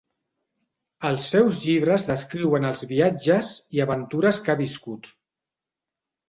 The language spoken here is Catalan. Els seus llibres descriuen els viatges i aventures que ha viscut.